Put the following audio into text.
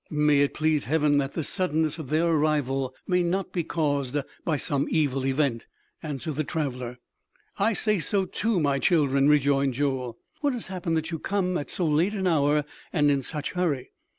"May it please heaven that the suddenness of their arrival may not be caused by some evil event," answered the traveler. "I say so, too, my children," rejoined Joel. "What has happened that you come at so late an hour and in such hurry?